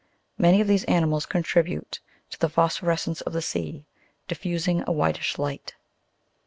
Many of these animals contribute to the phos phorescence of the sea, diffusing a whitish light.